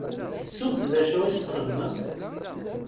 Tettumt d acu i s-txedmemt?